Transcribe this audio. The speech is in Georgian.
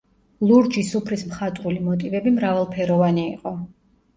ლურჯი სუფრის მხატვრული მოტივები მრავალფეროვანი იყო.